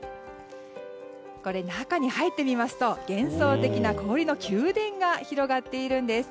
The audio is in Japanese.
これ、中に入ってみますと幻想的な氷の宮殿が広がっているんです。